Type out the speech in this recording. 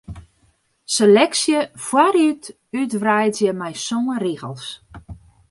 Seleksje foarút útwreidzje mei sân rigels.